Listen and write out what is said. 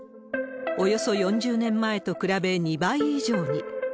およそ４０年前と比べ、２倍以上に。